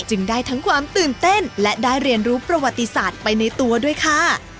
ได้ทั้งความตื่นเต้นและได้เรียนรู้ประวัติศาสตร์ไปในตัวด้วยค่ะ